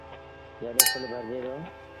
جڏيݩ ڦل ڀرجي دو۔